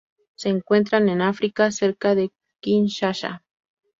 Se encuentran en África: cerca de Kinshasa.